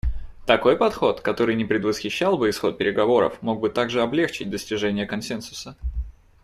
Такой подход, который не предвосхищал бы исход переговоров, мог бы также облегчить достижение консенсуса.